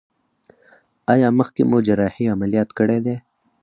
ایا مخکې مو جراحي عملیات کړی دی؟